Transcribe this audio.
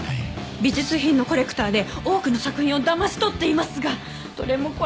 美術品のコレクターで多くの作品をだまし取っていますがどれもこれもそりゃあ